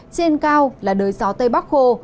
trên cao là đới gió tây bắc khô